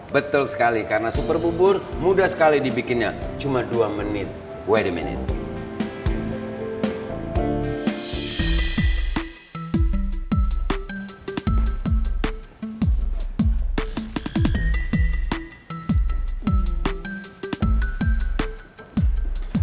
betul sekali karena super bubur mudah sekali dibikinnya cuma dua menit why the minute